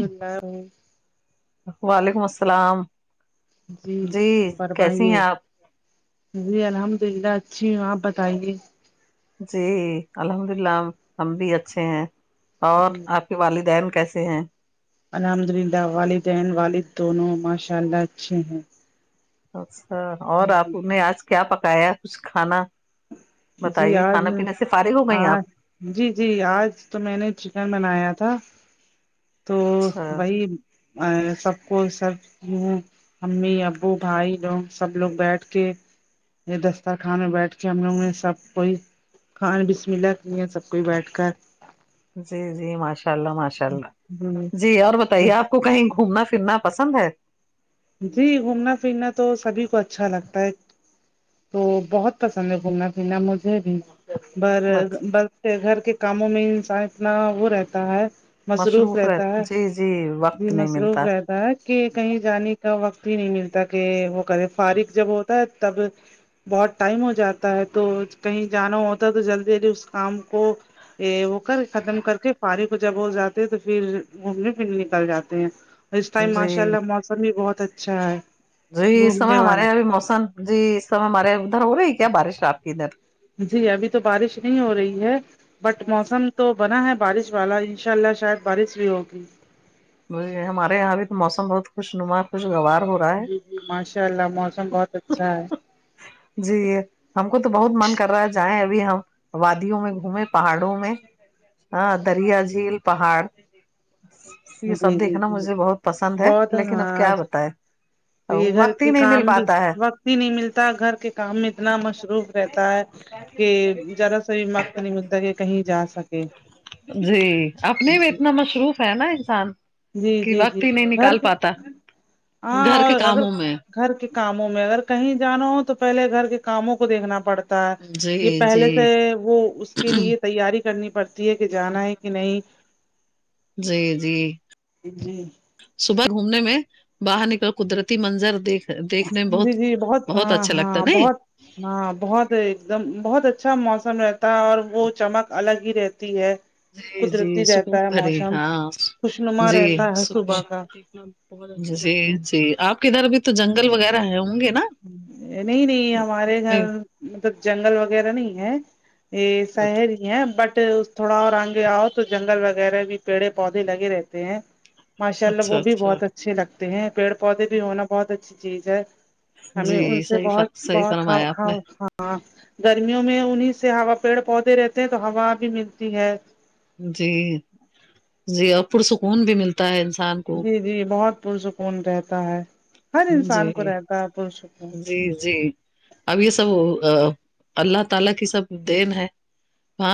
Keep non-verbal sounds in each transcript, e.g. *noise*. اللہ وعلیکم اسلام جی کیسی فرمائیے ہیں آپ جی الحمد اللہ اچھی ہوں آپ بتائیے جی الحمد اللہ ہم بھی اچھے ہیں اور جی آپ کے والدین کیسے ہیں الحمد اللہ والدین والد دونوں ماشاء اللہ اچھے ہیں اچھا اور آپ نے آج کیا پکایا کچھ کھانا جی بتائیے آج کھانا میں پینے سے فارغ ہو گئیں آپ آج جی جی آج تو میں نے چکن بنایا تھا تو اچھا وہی ا سب کو سب ہ امی ابو بھائی بہن سب لوگ بیٹھ کے یہ دسترخان میں بیٹھ کے ہم لوگ سب کوئی کھائے بسم اللہ کیجئے سب کوئی بیٹھ کر جی جی ماشاء اللہ ماشاء اللہ جی اور بتائیے کر آپ کو کہیں گھومنا پھرنا پسند ہے جی گھومنا پھرنا تو سبھی کو اچھا لگتا ہے تو بہت پسند ہے گھومنا پھرنا مجھے بھی پر اچھا، بس پھر گھر کے کاموں میں انسان اتنا وہ رہتا ہے مصروف رہ رہتا ہے جی جی جی وقت نہیں مصروف ملتا رہتا ہے کہ کہیں جانے وقت ہی نہیں ملتا کہ وہ کرے فارغ جب ہوتا ہے تب بہت ٹائم ہو جاتا ہے تو کہیں جانا ہوتا ہے تو جلدی جلدی اس کام کو یہ وہ کر ختم کر کے فارغ کو جب وہ جاتے ہیں تو پھر گھومنے پھرنے نکل جاتے ہیں اس ٹائم جی ماشاء اللہ موسم بھی بہت اچھا ہے جی سمے گھومنے ہمارے ابھی والا موسم جی سمے ہمارے ادھر ہو رہی ہے کیا بارش ہے آپ کی ادھر جی ابھی تو بارش نہیں ہو رہی ہے بٹ موسم تو بنا ہے بارش والا انشاء اللہ شاید بارش بھی ہوگی ہمارے یہاں بھی تو موسم بہت خوش نما خوش گوار ہے جی جی ماشاء اللہ موسم بہت اچھا ہے جی ہم کو تو بہت من کر رہا ہے جائیں ابھی ہم وادیوں میں گھومے پہاڑوں میں ہ دریا جھیل پہاڑ یہ جی سب جی دیکھنا جی مجھے بہت پسند ہے بہت لیکن اب ہار کیا بتائے یہ گھر وقت ہی کے نہیں مل کام بھی پاتا ہے وقت ہی نہیں ملتا گھر کے کام میں اتنا مصروف رہتا ہے کہ زیاد صحی مقت نہیں ملتا کہ کہیں جا سکے جی اپنے جی بھی اتنا مصروف ہے نا انسان جی کہ جی جی وقت ہی نہیں گھر نکال کے پاتا گھر ہاں کے اور اگر کاموں میں گھر کے کاموں میں اگر کہیں جانا ہو تو پہلے گھر کے کاموں کو دیکھنا پڑتا جی یہ جی پہلے سے وہ اس کے لیے تیاری کرنی پڑتی ہے کہ جانا ہے کہ نہیں جی جی جی صبح گھومنے میں باہر نکل قدرتی منظر دیکھ دیکھنے میں جی بہت جی بہت ہاں اچھا لگتا ہے ہاں نئی بہت ہاں بہت ایک دم بہت اچھا موسم رہتا ہے اور وہ چمک الگ ہی رہتی ہے جی جی قدرتی سکون رہتا ہے بھری موسم ہاں خوشنما جی رہتا ہے سکون صبح کا جی جی آپ کے ادھر بھی تو جنگل وغیرہ ہے ہوں گے نا نہیں نہیں ہمارے گھر نہیں، مطلب جنگل وغیرہ نہیں ہے یہ شہر ہی ہے بٹ تھوڑا اور آگے آؤ تو جنگل وغیرہ بھی پیڑے پودے لگے رہتے ہیں ماشاء اللہ وہ بھی بہت اچھا اچھے لگتے ہیں پیڑ پودے بھی ہونا بہت اچھی چیز ہے ہمیں جی ان سے صحیح فر بہت صحیح بہت ہؤؤ فرمایا آپ نے ہاں گرمیوں میں انہی سے ہا پیڑ پودے رہتے ہیں تو ہوا بھی ملتی ہے جی جی اور پرسکون بھی ملتا ہے انسان کو جی جی بہت پرسکون رہتا ہے ہر جی انسان کو رہتا ہے پرسکون جی جی اب یہ سب اللہ تعالی کی سب دین ہے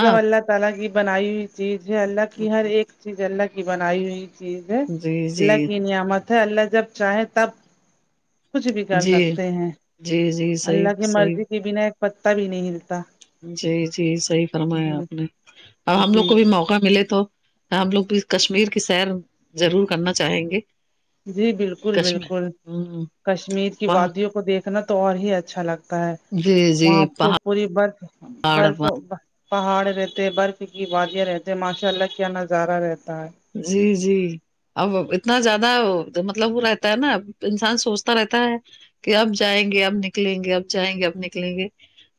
سب اللہ تعا لی کی بنائی ہوئی چیز ہے اللہ کی ہر ایک چیز اللہ کی بنائی ہوئی چیز ہے جی جی اللہ کی نعمت ہے اللہ جب چاہے تب کچھ بھی کر جی سکتے ہیں جی جی صحیح اللہ کی صحیح مرضی کے بنا ایک پتا بھی نہیں ہلتا جی جی صحیح فرمایا آپ نے اب ہم لوگ جی کو بھی موقع موقع ملے تو ہم لوگ بھی کشمیر کی سیر ضرور کرنا چاہیں گے جی بالکل کشمیر بالکل ہوں کشمیر کی وہاں وادیوں کو دیکھنا تو اور ہی اچھا لگ تا ہے جی وہاں جی تو پوری برف پہاڑ برف وہاں پہاڑ رہتے برف کی وادیاں رہتی ہیں ماشاء اللہ کیا نظارہ رہتا ہے جی جی اب اتنا زیادہ مطلب وہ رہتا ہے نا انسان سوچتا رہتا ہے کہ اب جائیں گے اب نکلیں گے اب جائیں گے اب نکلیں گے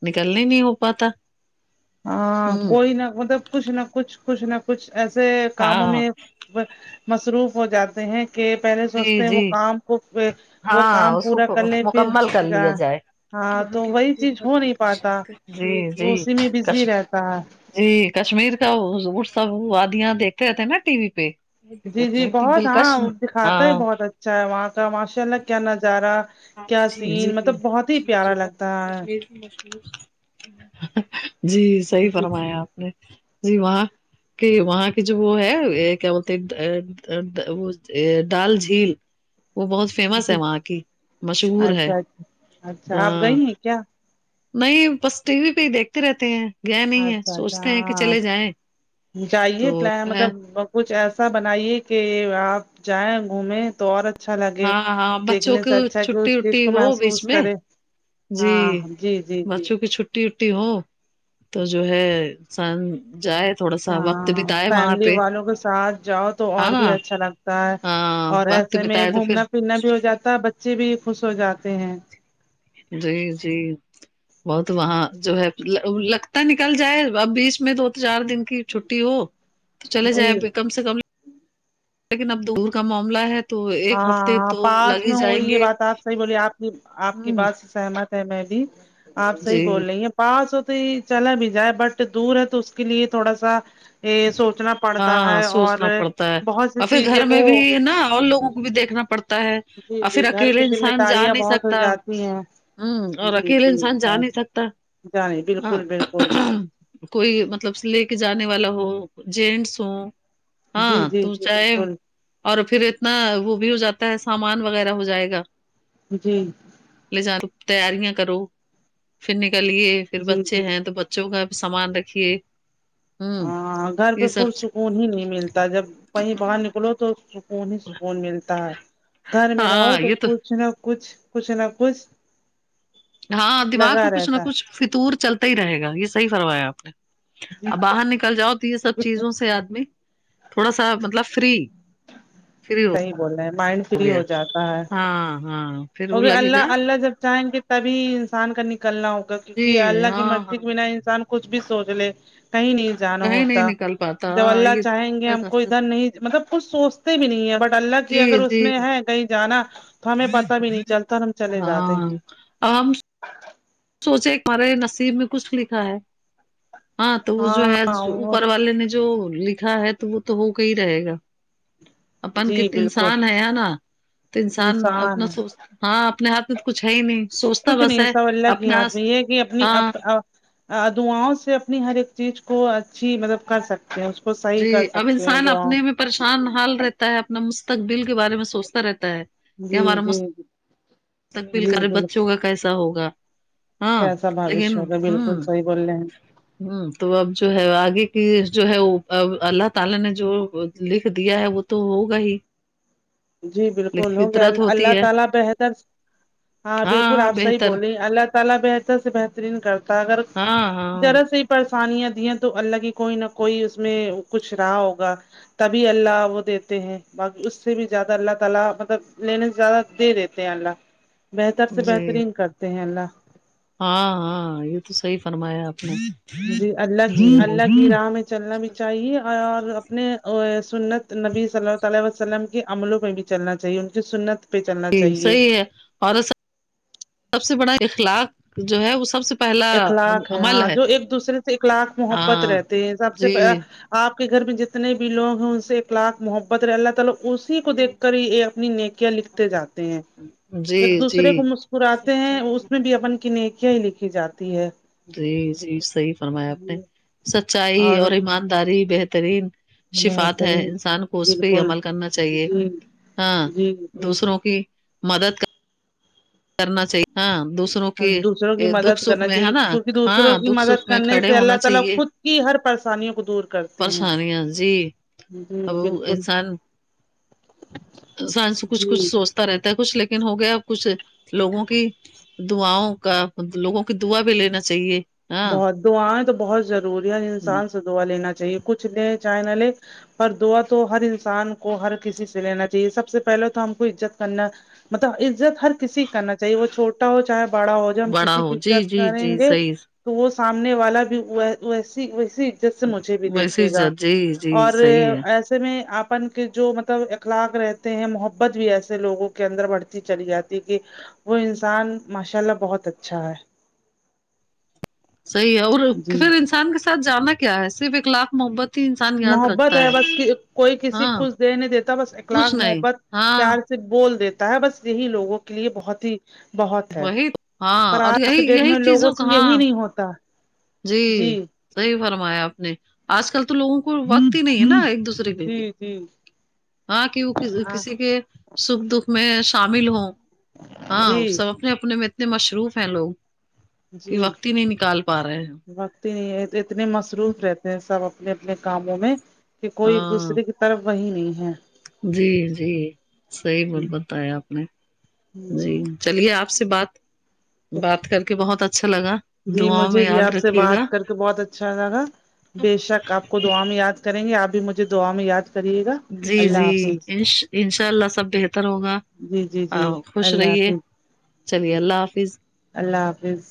نکلنے نہیں ہو پاتا ہاں ہوں کوئی نہ مطلب کچھ نہ کچھ کچھ نہ کچھ ایسے کاموں ہاں میں مصروف ہو جاتے ہیں کہ پہلے جی سوچتے ہیں وہ جی کام وہ ہاں کام اس پورا کو کر لیں پھر مکمل کر جا لیا جائے ہاں تو وہی چیز ہو نہیں پاتا ہیں. جی تو جی اسی میں بزی کشمیر رہتا ہے جی کشمیر کا وہ سب وادیاں دیکھتے رہتے ہے نا ٹی وی پہ جی جی اتنی اتنی بہت ہاں دلکش دکھاتا ہے ہاں بہت اچھ چے وہاں کا ماشاء اللہ کیا نظارہ کیا جی سین مطلب بہت ہی پیارا لگتا ہے جی صحیح فرمایا آپ نے جی وہاں کہ وہاں کی جو وہ ہے اے کیا بولتےاے وہ ڈل جھیل وہ بہت فیمس جی ہے وہاں کی مشہور ہے اچھا اچھا اچھا آپ ہاں گئی ہیں کیا نہیں بس ٹی وی پہ ہی دیکھتے رہتے ہیں گے نہیں ہے اچھا اچھا سوچتے ہیں کہ ہاں چلے جائیں جائیے تو پلان جو ہے مطلب کچھ ایسا بنائیے کہ آپ جائیں گھومیں تو اور اچھا لگے ہاں ہاں بچوں دیکھنے کی سے اچھا کہ چھٹی اس چیز وٹی کو ہو بیچ محسوس میں کرے جی ہاں جی جی جی بچو ں کو چھٹی وٹی ہو تو جو ہے انسان جائے تھوڑا سا وقت ہاں بتائے وہاں فیملی پہ والوں کے ساتھ جاؤ تو ہے اور نا بھی اچھا لگتا ہے ہاں اور وقت ایسے میں بتائے تو پھر گھومنا پھرنا بھی ہو جاتا ہے بچے بھی خوش ہو جاتے ہیں جی جی بہت وہاں جو ہے لگتا نکل جائے اب بیچ میں دو چار دن کی چھٹی ہو تو چلے جی جائے کم سے کم لیکن اب دور کا معاملہ ہے تو ایک ہفتے ہاں تو پاس لگ ہی میں ہو جائیں رہی یہ گے بات آپ صحیح بولیے آپ کی ہ بات سے سہمت ہے میں بھی آپ جی صحیح بول رہی ہے پاس ہو توای چلا بھی جائے بٹ دور ہے تو اس کے لیے تھوڑا سا یہ سوچنا پڑتا ہاں ہے اور سوچنا پڑتا ہے بہت سی اور پھر گھر چیزیں کو میں بھی نا اور لوگوں کو بھی دیکھنا پڑتا ہے جی اور پھر جی گھر اکیلے کی ذمہ انسان جا داریاں نہیں بہت ہو سکتا جاتی ہیں ہوں اور اکیلے انسان جا نہیں سکتا جانی ہاں بالکل بالکل کوئی مطلب لے کے جانے والا ہو جینٹس ہوں جی ہاں جی تو جی چاہے بالکل اور پھر اتنا وہ بھی ہو جاتا ہے سامان وغیرہ ہو جائے گا جی لے جا تیاریاں کرو پھر نکل گئے گیے پھر جی بچے جی ہیں تو بچوں کا بھی سامان رکھیے ہوں ہاں گھر پہ یہ پر سب سکون ہی نہیں ملتا جب کہیں باہر نکلو تو سکون ہی سکون ملتا ہے گھر میں رہو ہاں تو یہ کچھ نہ کچھ کچھ نہ کچھ ہاں دماغ لگا میں کچھ نہ رہتا ہے کچھ فتور چلتا ہی رہے گا یہ صحیح فرمایا آپ نے ا ب باہر نکل جاؤ تو یہ سب چیزوں سے آدمی تھوڑا سا مطلب فری فری ہو صحیح بول رہے ہیں مائنڈ فری گیا ہو جاتا ہے ہاں ہاں پھر وہ لگے گا اللہ اللہ جب چاہیں گے تبھی انسان کا نکلنا ہوگا کیونکہ جی اللہ کی ہاں ہاں مرضی کے بنا انسان کچھ بھی سوچ لے کہیں نہیں جانا نہیں نہیں ہوتا نکل پاتا جب اللہ یہ چاہیں گے ہم تک کو اثر- ادھر نہیں مطلب کچھ سوچتے بھی نہیں ہے بٹ اللہ کی جی اگر اس جی میں ہے کہیں جانا تو ہمیں پتا بھی نہیں چلتا ہم چلے جاتے ہیں آامش *unintelligible* سوچے کرے نصیب میں کچھ لکھا ہے ہاں تو وہ جو ہےجو اوپر والے نے جو لکھا ہے تو وہ تو ہو کر ہی رہے گا اپن ک جی بالکل انسان ہے یا نا تو انسان اپنا سوچ ہاں اپنے ہاتھ تو کچھ ہے ہی نہیں سوچتا کچھ بس نہیں ہے سب اللہ کے ہی اپنا ہاتھ میں یہ ہے کہ اپنی اپ ہاں اپ دعاؤں سے اپنی ہر ایک چیز کو اچھی مطلب کر سکتے اس کو صحیح جی کر اب سکتے ہیں انسان دعاوں اپنے میں پریشان حال رہتا ہے اپنا مستقبل کے بارے میں سوچتا رہتا ہے کہ جی ہمارا م جی مستقبیل جی کرے بالکل بچوں کا کیسا ہوگا ہاں کیسا لیکن بھوشیہ ہوگا بالکل ہوں صحیح بول رہے ہیں ہ تو اب جو ہے آگے کی جو ہے وہ اب اللہ تعالی نے جو لکھ دیا ہے وہ تو ہوگا ہی جی لیکن بالکل ہو گیا ال فطرت ہوتی اللہ ہے تعالی بہتر ہاں بالکل آپ صحیح بولی ہے اللہ تعالی بہتر سے بہترین کرتا ہے اگر ہوں ہوں طرح سے ہی پریشانیاں دی تو اللہ کی کوئی نہ کوئی اس میں کچھ رہا ہوگا تبھی اللہ وہ دیتے ہیں باقی اس سے بھی زیادہ اللہ تعالی مطلب لینے سے زیادہ دے دیتے ہیں اللہ بہتر سے جی بہترین کر ہیں اللہ ہاں ہاں یہ تو صحیح فرمایا آپ نے جی اللہ کی جی اللہ کی راہ میں چلنا بھی چاہیے اور اپنے ا سنت نبی صلیلہ تعالی وسلم کے عملوں پہ بھی چلنا چاہیے ان کی سنت پہ چلنا جی چاہیے صحیح ہے اور سب سے بڑا اخلاق جو ہے وہ سب سے پہلا اخلاق ہے ہاں جو ایک دوسرے سے اخلاق محبت ہاں رہتے ہیں سب سے جی پہ آپ کے گھر میں جتنے بھی لوگ ہیں ان سے ایک لاکھ محبت وا اللہ تعال اسی کو دیکھ کر ہی یہ اپنی نیکیاں لکھتے جاتے ہیں جی ایک دوسرے کو جی مسکراتے ہیں اس میں بھی اپن کی نیکیا ہی لکھی جاتی ہے جی جی صہی فرمایا آپ نے جی سچائی اور ایمانداری بہترین شفات ہے بہترین انسان کو اس پہ ہی بالکل عمل کرنا چاہیے جی ہاں جی جی دوسروں کی مدد کر کرنا چاہیے ہاں دوسر دوسروں کی مدد کرنا چاہیے کیونکہ دوسروں ہاں کی دکھ مدد سکھ میں کرنے کھڑے سے ہونا اللہ تعالی خود کہ ہر پریشانیوں کو دور کرت پریشانییاں جی اب بالکل انسان انسان سے کچھ جی کچھ سوچ تا رہتا ہے کچھ لیکن ہو گیا اب کچھ لوگوں کی دعاؤں کا لوگوں کی دعا بھی لینا چاہیے ہاں بہت دعایں تو بہت ضروری ہے انسان سے دعا لینا چاہیے کچھ لے چاہے نہ لے پر دعا تو ہر انسان کو ہر کسی سے لینا چاہیے سب سے پہلے تو ہم کو عزت کرنا مطلب عزت ہر کسی کی کرنا چاہیے وہ چھوٹا ہو چاہے بڑا ہو جو ہم بڑا کسی کی ہو جی عزت جی کریں جی گے صحیح تو وہ سامنے والا بھی ویسی ویسی جس سے مجھے بھی ویسے دیکھے گا جی جی اور صحیح ہے ای اس میں آپن کے جو مطلب اخلاق رہتے ہیں محبت جو ایسے لوگوں کے اندر بڑھتی چلی جاتی کہ وہ انسان ماشاء اللہ بہت اچھا ہے صحیح ہے اور جی پھر انسان کے ساتھ جانا کیا ہے صرف اخلاق محبت ہی انسان یاد محبت رکھتا ہے بس کوئی کسی ہاں کچھ دے نہیں دیتا بس کچھ اخلاق نہیں محبت ہاں پیار بول دیتا ہے بس یہی لوگوں کے لیے بہت ہی بہت ہے وہی پر ہاں اور آج کے یہی ڈیٹ یہی میں لوگوں چیزوں کا سے یہی ہاں نہیں ہوتا جی جی صحیح صحی فرمایا آپ نے آج کل تو لوگوں کے کو وقت ہی نہیں ہے نا ایک دوسرے کے جی جی ہاں کیونکہ وہ ہاں کسی کے سکھ دکھ میں شامل ہوں ہاں جی سب اپنے اپنے میں مصروف ہیں لوگ کہ جی وقت ہی نہیں نکال پا رہے ہیں وقت ہی نہیں ہے اتنے مصروف رہتے ہیں سب اپنے اپنے کاموں میں کہ کوئی ایک ہاں دوسرے کے تر وہی نہیں ہے جی جی صحیح جی بتایا آپ نے جی چلیے آپ سے بات ہ بات کر کے بہت اچھا لگا دعاؤ میں یاد رکھیے گا تو بہت اچھا لگا بے شک آپ کو دعا میں یاد کریں گے آپ بھی مجھے دعا میں یاد کریے گا جی اللہ جی حافظ انشاء اللہ سب بہتر ہوگا جی جی ہاں جی خوش اللہ رہیے حافظ چلیے جی اللہ حافظ اللہ حافظ